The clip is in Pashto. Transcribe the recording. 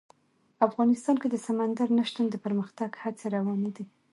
افغانستان کې د سمندر نه شتون د پرمختګ هڅې روانې دي.